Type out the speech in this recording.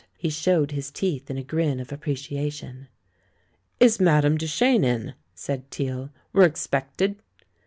He showed his teeth in a grin of appreciation. "Is Madame Duchene in?" said Teale. "We're expected."